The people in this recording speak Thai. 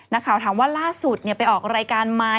นักข่าวถามว่าล่าสุดไปออกรายการไหม